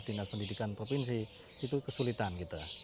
dinas pendidikan provinsi itu kesulitan kita